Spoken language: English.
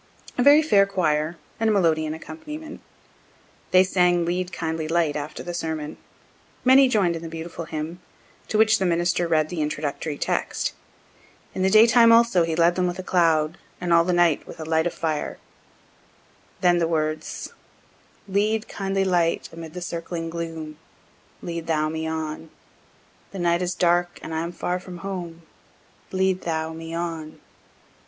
A very fair choir, and melodeon accompaniment. They sang "Lead, kindly light," after the sermon. Many join'd in the beautiful hymn, to which the minister read the introductory text, In the daytime also He led them with a cloud, and all the night with a light of fire. Then the words: Lead, kindly light, amid the encircling gloom, Lead thou me on. The night is dark, and I am far from home; Lead thou me on.